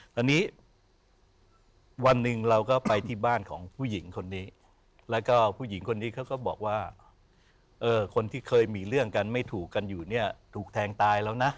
ตอนนี้วันหนึ่งเราก็ไปที่บ้านของผู้หญิงคนนี้แล้วก็ผู้หญิงคนนี้เขาก็บอกว่าคนที่เคยมีเรื่องกันไม่ถูกกันอยู่เนี่ยถูกแทงตายแล้วนะ